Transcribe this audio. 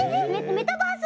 メタバース